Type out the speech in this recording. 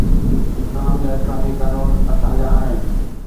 اسلام جا اسلامي قانون اسان جا آهن.